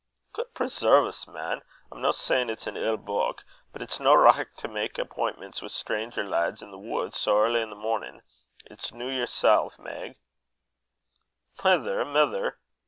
"Guid preserve's, man! I'm no sayin' it's an ill beuk. But it's no richt to mak appintments wi' stranger lads i' the wud sae ear' i' the mornin'. Is't noo, yersel, Meg?" "Mither! mither!"